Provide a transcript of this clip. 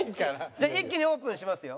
じゃあ一気にオープンしますよ。